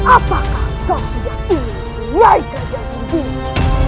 apakah kau tidak ingin yaiqa jadi dirimu